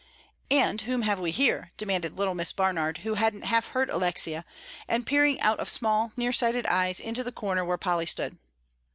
"And whom have we here?" demanded little Miss Barnard, who hadn't half heard Alexia, and peering out of small, near sighted eyes into the corner where Polly stood.